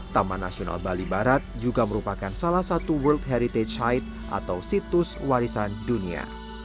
taman nasional bali barat juga merupakan salah satu world heritage side atau situs warisan dunia